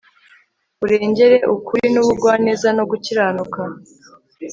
Urengere ukuri n ubugwaneza no gukiranuka